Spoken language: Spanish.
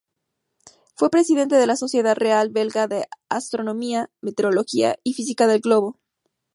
Fue Presidente de la Sociedad Real Belga de Astronomía, meteorología y física del globo.